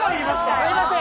すいません！